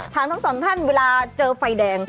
ถามท้องสนท่านเวลาเจอไฟแดง